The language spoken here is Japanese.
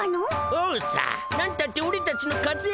おうさなんたっておれたちの活躍時だぜ！